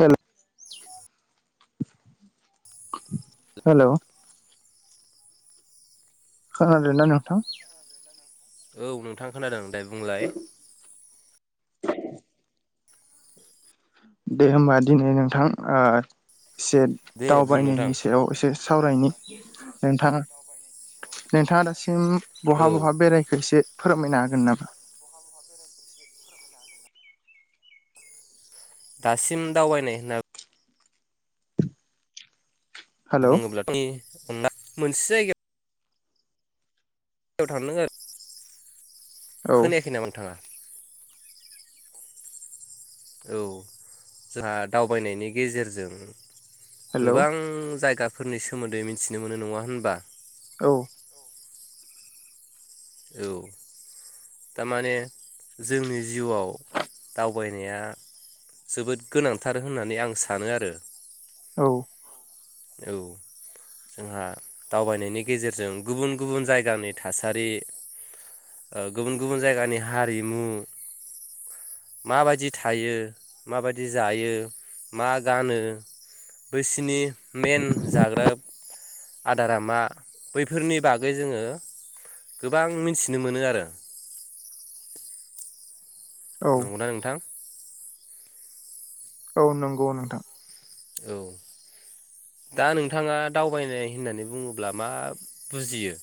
हेल हेल' खोनादों ना नोंथां? औ नोंथां खोनादों दाय बुंंलाय दे होमबा दिनै नोंथां ओ एसे दे बुं नोंथां दावबायनायनि सायाव एसे सावरायनि नोंथाङा नोंथाङा दासिम बहा औ बहा बेरायखो इसे फोरमायनो हागोन नामा दासिम दावबायनाय होनना हेलौ बुङोब्ला [unintelligible] [unintelligible] मोनसे जायगायाव याव थांदों आरो औ खोनायाखै नामा नोंथाङा औ जोंहा दावबायनायनि गेजेरजों हेलौ गोबां जायगा फोरनि सोमोन्दै मिथिनो मोनो नङा होनबा औ औ तारमाने जोंनि जिउआव दावबायनाया जोबोद गोनांथार होननानै आं सानो आरो औ औ जोंहा दावबायनायनि गेजेरजों गुबुन गुबुन जायगानि थासारि ओ गुबुन गुबुन जायगानि हारिमु माबायदि थायो माबायदि जायो मा गानो बैसोरनि मेन जाग्रा आदारा मा बैफोरनि बागै जोङो गोबां मिथिनो मोनो आरो औ नंगौना नोंथां औ नंगौ नोंथां औ दा नोंथाङा दावबायनाय होननानै बुङोब्ला मा बुजियो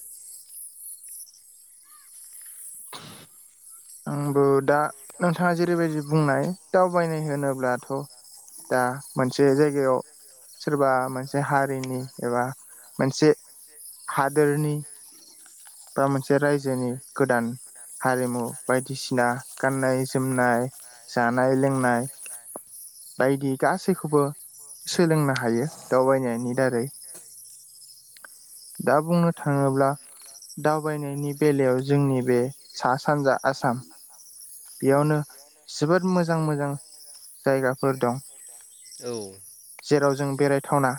आंबो दा नोंथाङा जेरैबायदि बुंनाय दावबायनाय होनोब्लाथ' दा मोनसे जायगायाव सोरबा मोनसे हारिनि एबा मोनसे हादोरनि बा मोनसे रायजोनि गोदान हारिमु बायदिसिना गाननाय जोमनाय जानाय लोंनाय बायदि गासैखौबो सोलोंनो हायो दावबायनायनि दारै दा बुंनो थाङोब्ला दावबायनायनि बेलायाव जोंनि बे सा सानजा आसाम बेयावनो जोबोद मोजां मोजां जायगाफोर दं औ जेराव जों बेरायथावना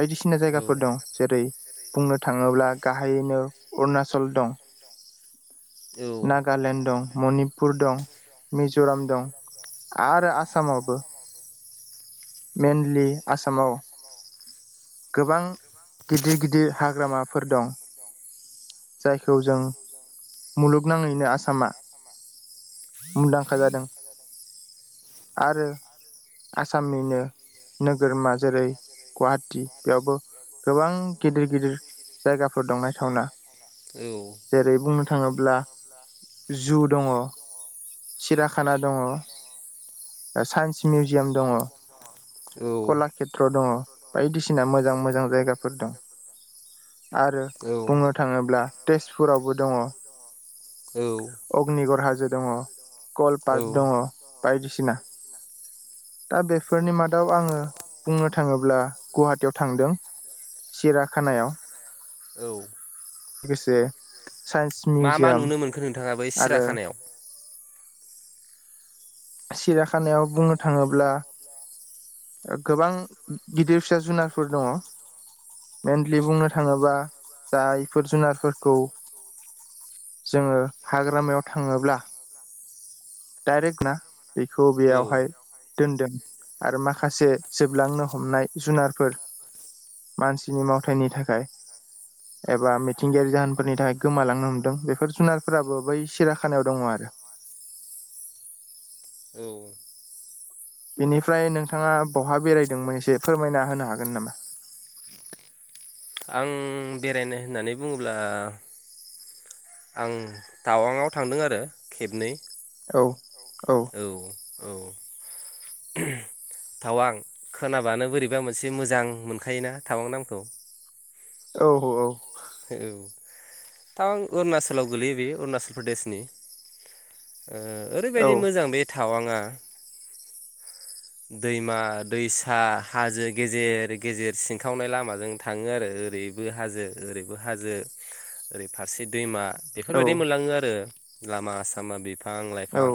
बायदिसिना औ जायगाफोर दं जेरै बुंनो थाङोब्ला गाहायैनो अरुनाचल दं औ नागालेण्ड दं मनिपुर दं मिज'राम दं आरो आसामावबो मेनलि आसामाव गोबां गिदिर गिदिर हाग्रामाफोर दं जायखौ जों मुलुगनाङैनो आसामा मुंदांखा जादों आरो आसामनिनो नोगोरमा जेरै गुवाहाटी बेयावबो गोबां गिदिर गिदिर जायगाफोर दं नायथावना जेरै बुंनो थाङोब्ला जु दङ सिरियाखाना दङ साइन्स मिउजियाम दङ औ कलाकेत्र दङ बायदिसिना मोजां मोजां जायगाफोर दं आरो बुंनो थाङोब्ला तेजपुरावबो दङ औ अग्निगर हाजो दङ कल औ पार्क दङ बायदिसिना दा बेफोरनि मादाव आङो बुंनो थाङोब्ला गुवाहाटीयाव थांदों सिरियाखानायाव लोगोसे साइन्स मा मा मिउजियाम नुनो मोनखो नोंथाङा बै आरो सिरियाखानायाव सिरियाखानायाव बुंनो थाङोब्ला गोबां गिदिर फिसा जुनारफोर दङ मेनलि बुंनो थाङोबा जायफोर जुनारफोरखौ जोङो हाग्रामायाव थाङोब्ला डायरेक्ट ना बेखौ बेयावहाय दोनदों आरो माखासे जोबलांनो हमनाय जुनारफोर मानसिनि मावथायनि थाखाय एबा मिथिंगायारि जाहोनफोरनि थाखाय गोमालांनो हमदों बेफोर जुनारफोराबो बै सिराखानायाव दङ आरो औ बेनिफ्राय नोंथाङा बहा बेरायदोंमोन एसे फोरमायना होनो हागोन नामा? आं बेरायनो होननानै बुङोब्ला आं टावांआव थांदों आरो खेबनै। औ औ औ थावां खोनाबानो बोरैबा मोनसे मोजां मोनखायोना थावां नामखौ औ औ औ औ तावां अरुनाचलाव गोलैयो बे अरुणाचल प्रदेशनि औ ओरैबायदि मोजां बे थावङा दैमा दैसा हाजो गेजेर गेजेर सिनखावनाय लामाजों थाङो आरो ओरैबो हाजो ओरैबो हाजो ओरै फारसे दैमा औ बेफोरबायदि मोनलाङो आरो लामा सामा बेफोर बिफां औ लाइफां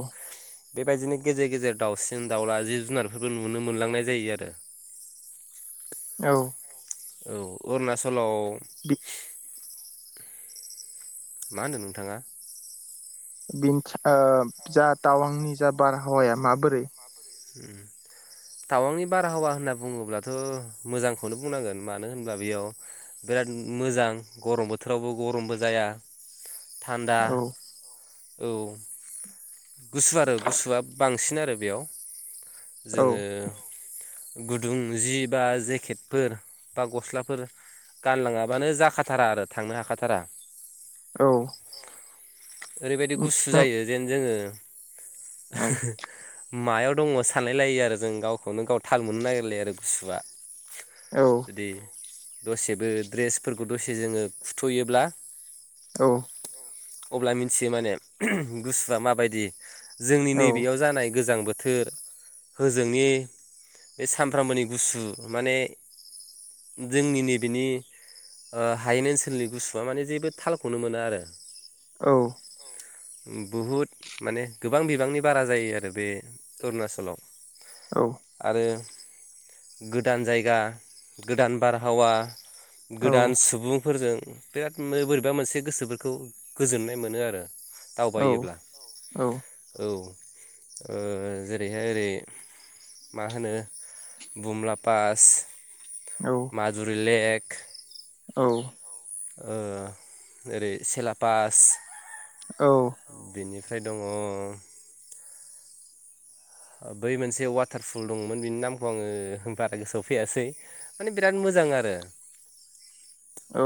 बेबायदिनो गेजेर गेजेर दाउसिन दाउला जि जुनारफोरबो नुनो मोनलांनाय जायो आरो औ औ अरुणाचलाव [inaudible] बि मा होनदों नोंथाङा बिनि ओ जा टावांनि जा बारहावाया माबोरै टावांनि बारहावा होनना बुङोब्लाथ' मोजांखौनो बुंनांगोन मानो होनबा बेयाव बिराद मोजां गरम बोथोरावबो गरमबो जाया। थान्दा औ औ गुसु आरो गुसुआ बांसिन आरो। बेयाव औ जोङो गुदुं जि बा जेकेटफोर बा गस्लाफोर गानलाङाबानो जाखाथारा आरो थांनो हाखाथारा औ ओरैबायदि गुसु नों जायो जेन जोङो औ [inaudible] मायाव दङ सानलाय लायो आरो जों गावखौनो गाव थाल मोननो नागिरलाया आरो गुसुआ औ जुदि दसेबो दसे जोङो ड्रेसफोरखौ दसे जोङो खुथ'योब्ला औ अब्ला मिथियो माने गुसुआ माबायदि जोंनि औ नैबेयाव जानाय गोजां बोथोर बोथोर होजोंनि सामफ्रामबोनि गुसु माने जोंनि नैबेनि हायेन ओनसोलनि गुसुवआ माने जेबो थालखौनो मोना आरो। औ बहुद माने गोबां बिबांनि बारा जायो आरो बे अरुणाचलाव औ आरो गोदान जायगा गोदान बारहावा औ गोदान सुबुंफोरजों बिराद बोरैबा मोनसे गोसोफोरखौ गोजोननाय मोनो आरो दावबायोब्ला औ जेरैहाय ओरै मा होनो बुमला पास औ माजुरि लेक [inaudible] औ ओरै सेलापास बेनि फ्राय दङ बै मोनसे वाटारफुल दंमोन बिनि नामखौ आङो बारा गोसोआव फैयासै माने बिराद मोजां आरो औ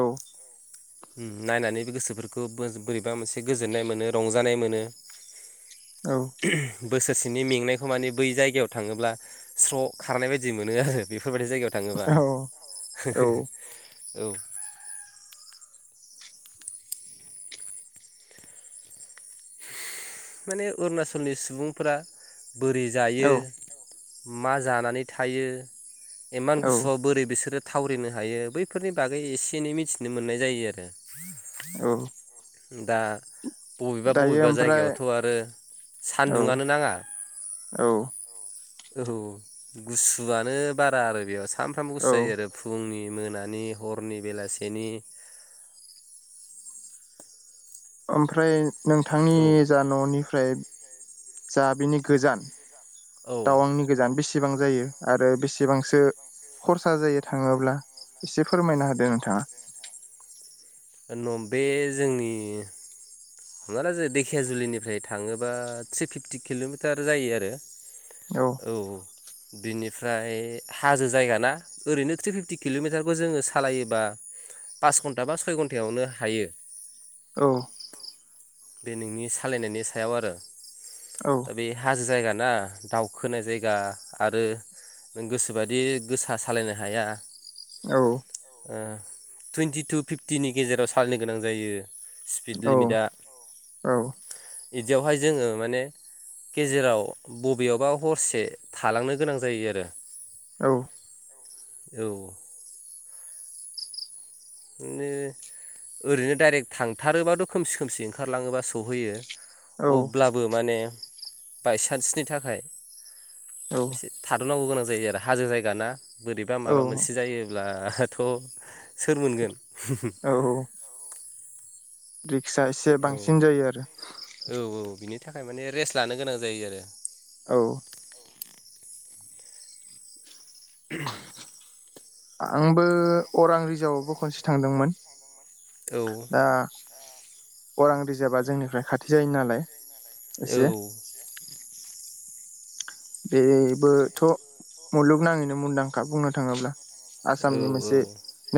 नायनानै गोसोफोरखौ बोरैबा मोनसे गोजोननाय मोनो रंजानाय मोनो औ बोसोरसेनि मेंनायखौ माने बै जायगायाव थाङोब्ला स्र' खारनाय बायदि मोनो आरो बेफोर बेफोरबायदि जायगायाव थाङोबा औ माने अरुणाचलनि सुबुंफोरा बोरै औ जायो मा जानानै थायो इमान औ गुसुआव बोरै बिसोरो थावरिनो हायो बैफोरनि बागै एसे एनै मिथिनो मोननाय जायो आरो औ [inaudible] दा बबेबा दायो बबेबा ओमफ्राय जायगायावथ' आरो औ सान्दुङानो नाङा औ औ गुसुआनो बारा आरो बेयाव सा सानफ्रामबो औ गुसु जायो आरो फुुंनि मोनानि हरनि बेलासेनि ओमफ्राय नोंथांनि जा न'निफ्राय औ जा बिनि गोजान औ टावांनि गोजान बेस बेसेबां जायो आरो बेसेबांसो खरसा जायो थाङोब्ला एसे फोरमायना होदो नोंथाङा। नम बे जोंनि हमना ला धेखियाजुलिनिफ्राय थाङोबा थ्रि फिफ्टि किल'मिटार जायो आरो औ। बिनिफ्राय हाजो जायगा ना ओरैनो थ्रि फिफटि किल'मिटारखौ जोङो सालायोबा पास घन्टा बा सय घन्टायावनो हायो। औ। बे नोंनि सालायनायनि सायाव आरो औ दा बे हाजो जायगा ना दाउखोनाय जायगा आरो नों गोसोबायदि गोसा सालायनो हाया। औ। ओ टुवेन्टि टु फिफ्टिनि गेजेराव सालायनो गोनां जायो। स्पिड औ लिमिदा औ। बिदियावहाय जोङो माने गेजेराव बबेयावबा हरसे थालांनो गोनां जायो आरो औ। औ। बिनो ओरैनो डाइरेक्ट थांथारोबाथ' खोमसि खोमसि ओंखारलाङोबा सहैयो। अब्लाबो माने बायसान्सनि थाखाय औ एसे थाद'नांगौ गोनां जायो आरो हाजो जायगा ना बोरैबा औ माबा मोनसे जायोब्ला थ' सोर मोनगोन [inaudible] औ [unintelligible] [unintelligible] एसे औ बांसिन जायो आरो औ औ बिनि थाखाय माने रेस्ट लानो गोनां जायो आरो औ। [inaudible] आंबो अरां रिजाबावबो खनसे थांदोंमोन। औ दा अरां रिजार्भा जोंनिफ्राय खाथि जायो नालाय। एसे औ। द बेबोथ' मुलुगनाङैनो मुंदांखा बुंनो थाङोब्ला औ आसामनि औ मोनसे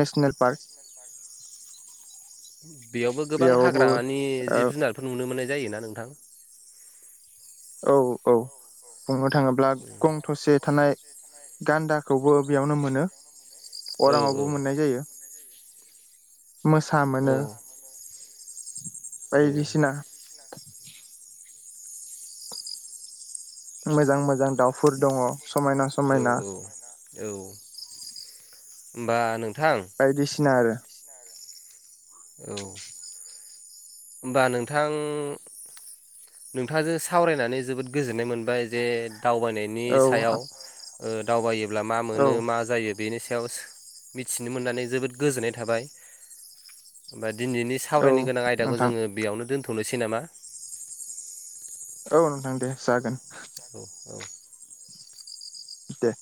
नेसनेल बार [inaudible] बेयावबो गोबां हाग्रानि ओ जिब जुनारफोर नुनो मोननाय जायोना नोंथां औ औ बुंनो थाङोब्ला गं थसे थानाय गान्दाखौबो बेयावनो मोनो औ औ अरांङावबो मोननाय जायो मोसा औ मोनो औ बायदिसिना मोजां मोजां दाउफोर दङ समायना औ समायना औ होमबा नों बायदिसिना आरो औ होमबा नोंथां नोंथांजों सावरायनानै जोबोद गोजोननाय मोनबाय जे दावबायनायनि औ सायाव दावायो अब्ला मा औ मोनो मा जायो बेनि सायाव मिथिनो मोननानै जोबोद गोजोननाय थाबाय दिनैनि औ सावरायनो गोनां आयदाखौ नोंथां जोंङो बेयावनो दोनथ' थ'नोसै नामा औ नोंथां दे जागोन औ औ दे